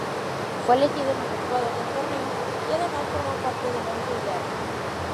Fue elegido el mejor jugador del torneo, y además formó parte del once ideal.